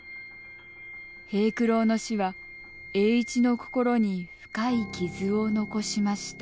平九郎の死は栄一の心に深い傷を残しました。